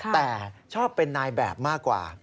แต่ชอบเป็นนายแบบมากกว่า